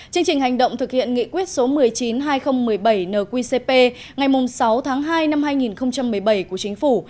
chương trình hành động thực hiện nghị quyết số một mươi chín hai nghìn một mươi bảy nqcp ngày sáu tháng hai năm hai nghìn một mươi bảy của chính phủ